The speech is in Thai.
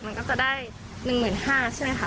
มันก็จะได้๑๕๐๐๐แหละใช่ไหมค่ะ